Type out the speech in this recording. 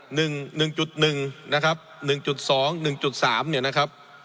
หนึ่งหนึ่งจุดหนึ่งนะครับหนึ่งจุดสองหนึ่งจุดสามเนี่ยนะครับ